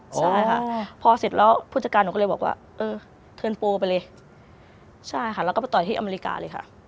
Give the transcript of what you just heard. ใช่ค่ะพอเสร็จแล้วผู้จัดการหนูก็เลยบอกว่าเออเทิร์นโปรไปเลยใช่ค่ะแล้วก็ไปต่อยที่อเมริกาเลยค่ะ